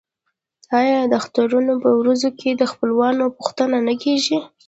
آیا د اخترونو په ورځو کې د خپلوانو پوښتنه نه کیږي؟